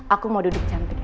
aku mau duduk cantik